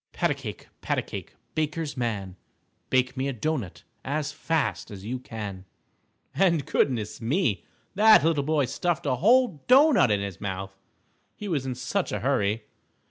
Pat a cake, pat a cake, Baker's man, Bake me a doughnut As fast as you can. And goodness me! that little boy stuffed a whole doughnut into his mouth, he was in such a hurry.